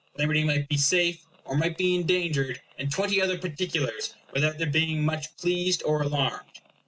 Liberty might be safe, or might be endangered, in twenty other particulars, without their being much pleased or alarmed.